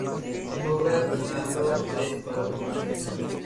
Es obra de Fernando de Barahona.